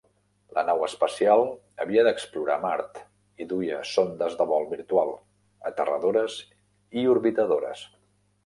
La nau espacial havia d'explorar Mart i duia sondes de vol virtual, aterradores i orbitadores.